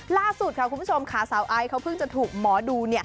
ล่าสุดค่ะคุณผู้ชมค่ะสาวไอซ์เขาเพิ่งจะถูกหมอดู